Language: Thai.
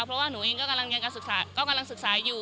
เพราะว่าหนูเองก็กำลังการศึกษาอยู่